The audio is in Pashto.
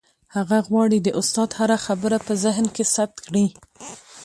هغه غواړي د استاد هره خبره په ذهن کې ثبت کړي.